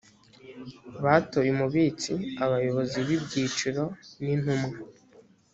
batoye umubitsi abayobozi b ibyiciro n intumwa